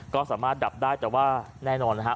ก็สามารถดับได้แต่ว่าแน่นอนนะฮะ